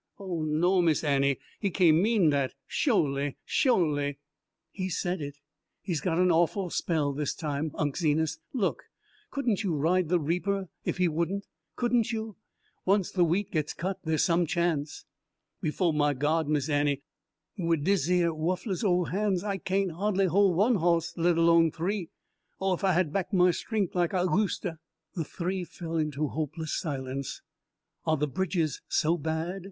Oh, no Miss Annie, he cain' mean dat, sholy, sholy!" "He said it. He's got an awful spell this time. Unc' Zenas look couldn't you ride the reaper if he wouldn't? Couldn't you? Once the wheat gets cut there's some chance." "Befo' my God, Miss Annie, wid deseyer wuffless ole han's I cain' ha'dly hol' one hawss, let alone three. Oh, if I had back my stren'th lak I useter!" The three fell into hopeless silence. "Are the bridges so bad?